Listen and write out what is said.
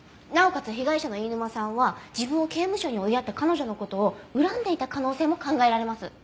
なおかつ被害者の飯沼さんは自分を刑務所に追いやった彼女の事を恨んでいた可能性も考えられます。